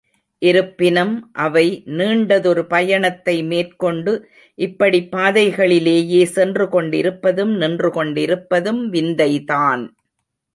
இருப்பினும், அவை நீண்டதொரு பயணத்தை மேற்கொண்டு, இப்படிப் பாதைகளிலேயே சென்று கொண்டிருப்பதும் நின்றுகொண்டிருப்பதும் விந்தைதான்!